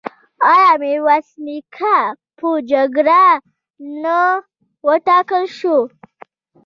آیا میرویس نیکه په جرګه نه وټاکل شو؟